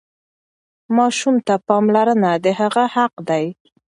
ماسوم ته پاملرنه د هغه حق دی.